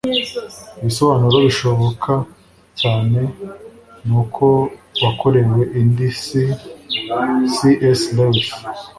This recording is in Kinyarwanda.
ibisobanuro bishoboka cyane ni uko nakorewe indi si - c s lewis